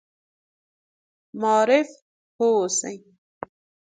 معارف پوه اوسي.